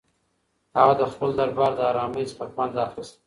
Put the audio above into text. هغه د خپل دربار له ارامۍ څخه خوند اخیست.